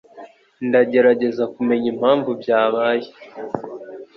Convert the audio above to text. Ndagerageza kumenya impamvu byabaye.